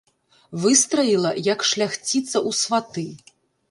Выстраіла, як шляхціца ў сваты.